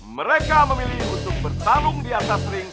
mereka memilih untuk bertarung di atas ring